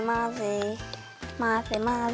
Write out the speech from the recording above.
まぜまぜ。